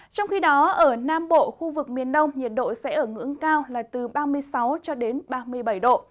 trong khi đó ở nam bộ khu vực miền đông nhiệt độ sẽ ở ngưỡng cao là từ ba mươi sáu ba mươi bảy độ